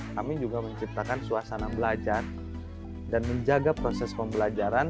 kami juga menciptakan suasana belajar dan menjaga proses pembelajaran